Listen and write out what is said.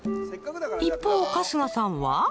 一方春日さんは。